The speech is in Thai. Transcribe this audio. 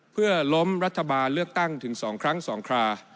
เพื่อล้มรัฐบาลเลือกตั้งถึง๒ครั้ง๒ครา